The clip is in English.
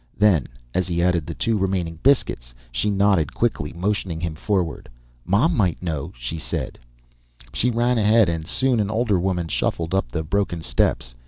Then, as he added the two remaining biscuits, she nodded quickly, motioning him forward. "Mom might know," she said. She ran ahead, and soon an older woman shuffled up the broken steps.